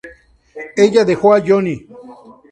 Ella dejó a Johnny.